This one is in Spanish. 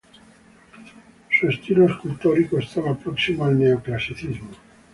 Su estilo escultórico estaba próximo al neoclasicismo.